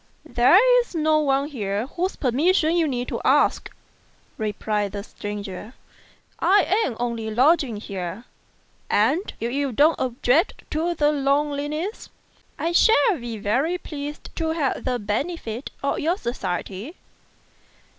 "There is no one here whose permission you need ask," replied the stranger; "I am only lodging here, FROM A CHINESE STUDIO. 125 and if you don't object to the loneliness, I shall be very pleased to have the benefit of your society."